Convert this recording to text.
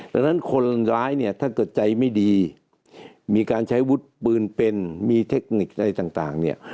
ดังนั้นคนร้ายเนี่ยถ้าเกิดใจไม่ดีมีการใช้วุฒิปืนเป็นมีเทคนิคอะไรต่างเนี่ย